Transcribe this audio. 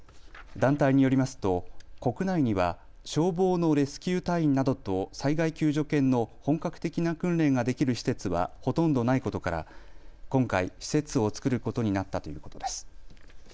団体によりますと国内には消防のレスキュー隊員などと災害救助犬の本格的な訓練ができる施設はほとんどないことから今回、施設を作ることになったということです。